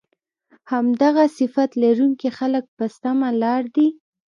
همدغه صفت لرونکي خلک په سمه لار دي